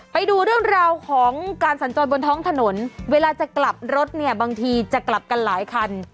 ไปดูเรื่องราวของการสัญจรบนท้องถนนเวลาจะกลับรถเนี่ยบางทีจะกลับกันหลายคัน